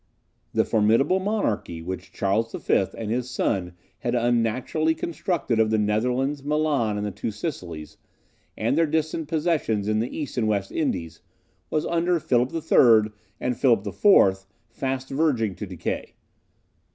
The formidable monarchy which Charles V. and his son had unnaturally constructed of the Netherlands, Milan, and the two Sicilies, and their distant possessions in the East and West Indies, was under Philip III. and Philip IV. fast verging to decay.